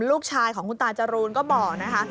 ลูกชายของคุณตาจรูนก็บอกนะคะ